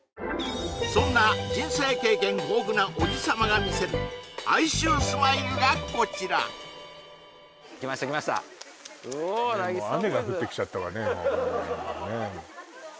そんな人生経験豊富なおじさまが見せる哀愁スマイルがこちら雨が降ってきちゃったわね